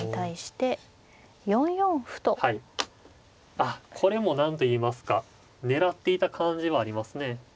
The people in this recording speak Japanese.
あっこれも何といいますか狙っていた感じはありますね。